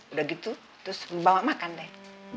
udah gitu terus bawa makan deh